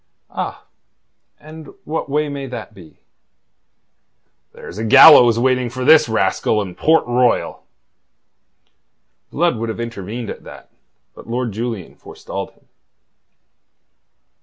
"Ah! And what way may that be?" "There's a gallows waiting for this rascal in Port Royal." Blood would have intervened at that, but Lord Julian forestalled him.